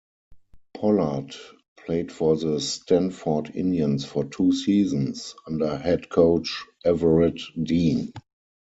Pollard played for the Stanford Indians for two seasons, under head coach Everett Dean.